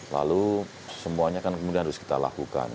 lalu semuanya kan kemudian harus kita lakukan